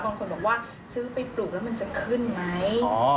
บางคนบอกว่าซื้อไปปลูกแล้วมันจะขึ้นไหม